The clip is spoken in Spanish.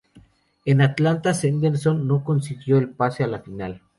En Atlanta Sanderson no consiguió el pase a la final.